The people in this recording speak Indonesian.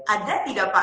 ada tidak pak